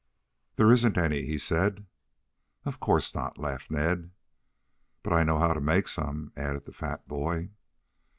"There isn't any," he said. "Of course not," laughed Ned. "But I know how to make some," added the fat boy.